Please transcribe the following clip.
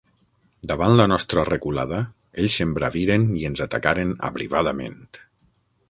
Davant la nostra reculada, ells s'embraviren i ens atacaren abrivadament.